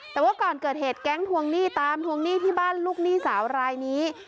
แต่ว่าก่อนเกิดเหตุแก๊งทวงหนี้ตามทวงหนี้ที่บ้านลูกหนี้สาวรายนี้